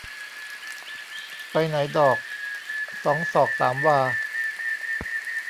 ไปไหนดอก สองศอกสามวา